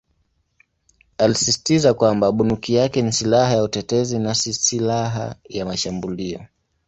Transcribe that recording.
Alisisitiza kwamba bunduki yake ni "silaha ya utetezi" na "si silaha ya mashambulio".